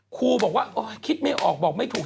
ครูบอกว่าคิดไม่ออกบอกไม่ถูก